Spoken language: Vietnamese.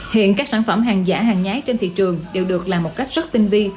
hiện các sản phẩm hàng giả hàng nhái trên thị trường đều được làm một cách rất tinh vi